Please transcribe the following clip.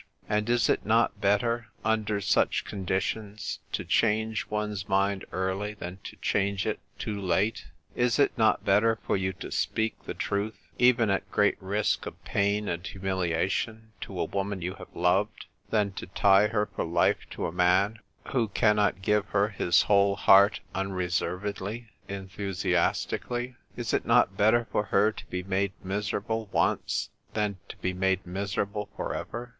And " is it not better, under such conditions, to change one's mind early than to change it too late ? Is it not better for you to speak the truth, even at great risk of pain and humiliation to a wom.an you have loved, than to tie her for life to a man who cannot give her his whole heart unreservedly, enthusiastically ? Is it not better for her to be made miserable once than to be made miserable for ever